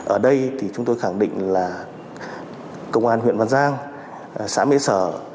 ở đây thì chúng tôi khẳng định là công an huyện văn giang xã mễ sở